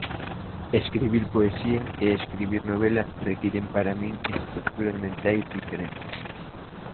Escribir poesía e escribir novela requiren para min estruturas mentais diferentes.